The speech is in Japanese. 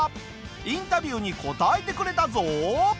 インタビューに答えてくれたぞ！